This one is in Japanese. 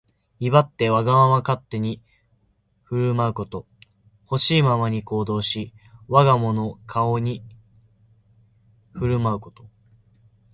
威張ってわがまま勝手に振る舞うこと。ほしいままに行動し、我が物顔に振る舞うこと。